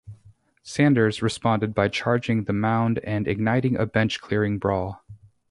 Sanders responded by charging the mound and igniting a bench-clearing brawl.